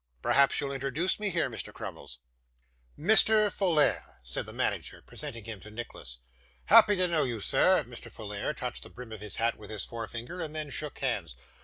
Perhaps you'll introduce me here, Mr. Crummles.' 'Mr. Folair,' said the manager, presenting him to Nicholas. 'Happy to know you, sir.' Mr. Folair touched the brim of his hat with his forefinger, and then shook hands.